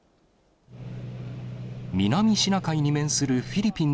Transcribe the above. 南シナ海に面するフィリピン